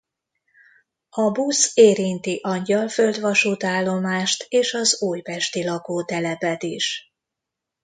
A busz érinti Angyalföld vasútállomást és az újpesti lakótelepet is.